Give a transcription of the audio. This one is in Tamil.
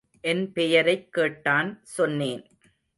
என் பெயரைக் கேட்டான், சொன்னேன்.